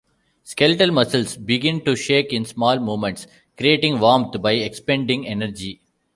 Skeletal muscles begin to shake in small movements, creating warmth by expending energy.